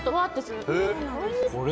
これ。